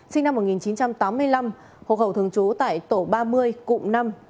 sinh năm một nghìn chín trăm tám mươi năm hộ khẩu thường trú tại tổ ba mươi cụm năm